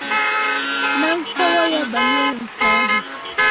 Na nkọwa ya banyere nke ahụ